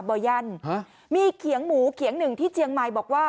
บ่อยันมีเขียงหมูเขียงหนึ่งที่เชียงใหม่บอกว่า